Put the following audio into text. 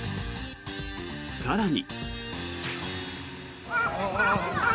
更に。